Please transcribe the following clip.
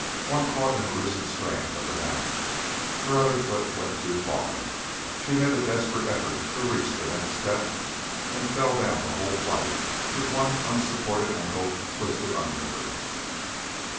One caught in a loosened strand of the mat. Her other foot went too far. She made a desperate effort to reach the next step, and fell down the whole flight with one unsupported ankle twisted under her.